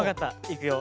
いくよ。